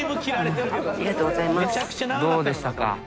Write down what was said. どうでしたか？